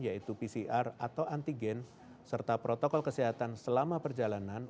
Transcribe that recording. yaitu pcr atau antigen serta protokol kesehatan selama perjalanan